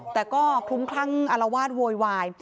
แต่ก็คลุ้มคลั่งอารวาสโวยวาย